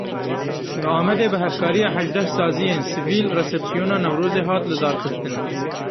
Li Amedê bi hevkariya hejdeh saziyên sivîl resepsiyona Newrozê hat lidarxistin.